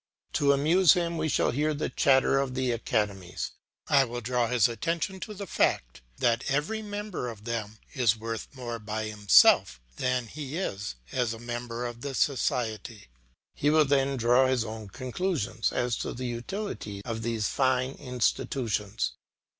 To amuse him he shall hear the chatter of the academies; I will draw his attention to the fast that every member of them is worth more by himself than he is as a member of the society; he will then draw his own conclusions as to the utility of these fine institutions.